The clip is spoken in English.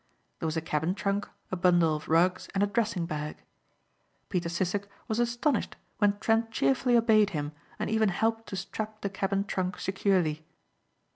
There was a cabin trunk, a bundle of rugs and a dressing bag. Peter Sissek was astonished when Trent cheerfully obeyed him and even helped to strap the cabin trunk securely.